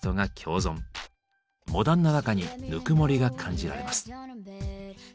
モダンな中にぬくもりが感じられます。